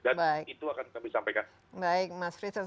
dan itu akan kami sampaikan